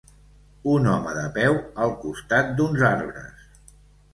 Un home de peu al costat d'uns arbres.